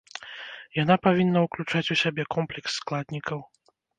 Яна павінна уключаць у сябе комплекс складнікаў.